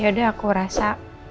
yaudah aku rasa